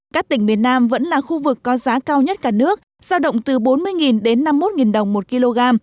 các tỉnh miền nam vẫn là khu vực có giá cao nhất cả nước giao động từ bốn mươi đến năm mươi một đồng một kg